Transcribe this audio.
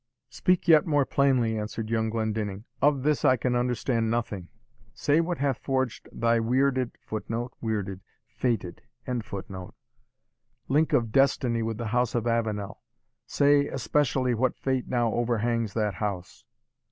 "Speak yet more plainly," answered young Glendinning; "of this I can understand nothing. Say, what hath forged thy wierded [Footnote: Wierded fated.] link of destiny with the House of Avenel? Say, especially, what fate now overhangs that house?"